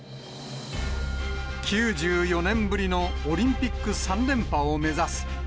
９４年ぶりのオリンピック３連覇を目指す。